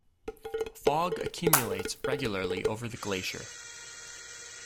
Fog accumulates regularly over the glacier.